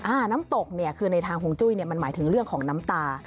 น้ำตกเนี่ยคือในทางห่วงจุ้ยเนี่ยมันหมายถึงเรื่องของน้ำตา